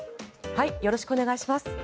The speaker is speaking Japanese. よろしくお願いします。